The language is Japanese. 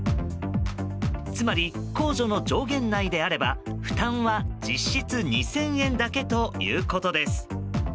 つまり控除の上限内であれば負担は、実質２０００円だけということです。